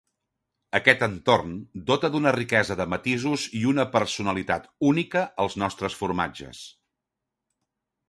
Aquest entorn dota d'una riquesa de matisos i una personalitat única als nostres formatges.